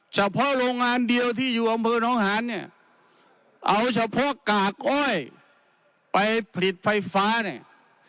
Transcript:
เฉพาะโรงงานเดียวที่อยู่อำเภอน้องหานเนี่ยเอาเฉพาะกากอ้อยไปผลิตไฟฟ้าเนี่ย